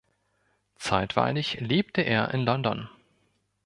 Zeitweilig lebte er in London.